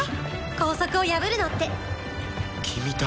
校則を破るのって君誰？